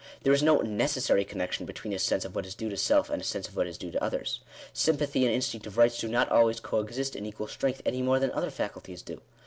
There is no necessary connection between a sense of what is due to self, and a sense of what is due to others. Sympathy and instinct of rights do not always co exist in equal strength any more than other faculties do.